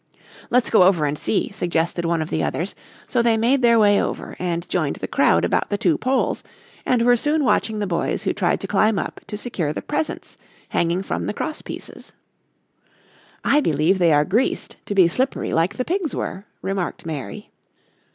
"Let's go over and see," suggested one of the others, so they made their way over and joined the crowd about the two poles and were soon watching the boys who tried to climb up to secure the presents hanging from the cross pieces. "I believe they are greased to be slippery like the pigs were," remarked Mary.